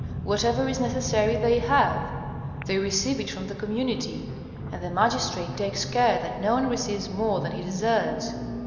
Whatever is necessary they have, they receive it from the community, and the magistrate takes care that no one receives more than he deserves.